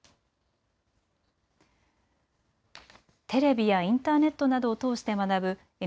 テレビやインターネットなどを通して学ぶ